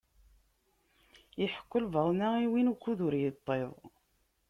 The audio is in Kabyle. Iḥekku lbaḍna i win ukud ur iṭṭiḍ.